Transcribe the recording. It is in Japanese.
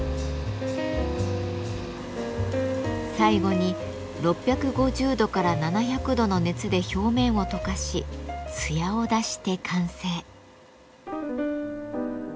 最後に６５０度から７００度の熱で表面を溶かし艶を出して完成。